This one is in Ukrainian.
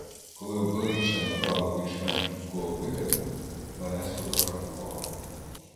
Коли обличчя набрало більш-менш людського вигляду, мене сфотографували.